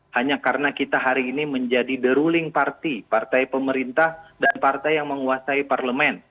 hanya karena kita hari ini menjadi the ruling party partai pemerintah dan partai yang menguasai parlemen